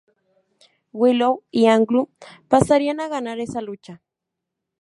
Willow y Angle pasarían a ganar esa lucha.